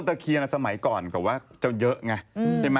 ตะเคียนสมัยก่อนก็ว่าจะเยอะไง